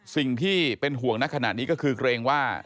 สิ่งที่เป็นห่วงในขณะนี้ก็คือเกรงว่า